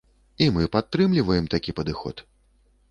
І мы падтрымліваем такі падыход.